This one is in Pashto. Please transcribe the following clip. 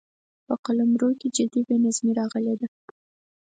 په قلمرو کې جدي بې نظمي راغلې ده.